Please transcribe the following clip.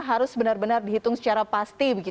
harus benar benar dihitung secara pasti